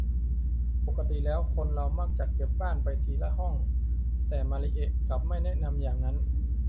ปกติแล้วคนเรามักจะเก็บบ้านไปทีละห้อง แต่มาริเอะกลับไม่แนะนำอย่างนั้น